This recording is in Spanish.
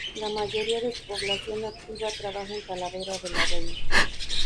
La mayoría de su población activa trabaja en Talavera de la Reina.